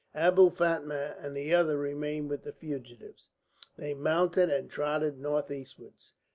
Abou Fatma and the other remained with the fugitives. They mounted and trotted northeastwards.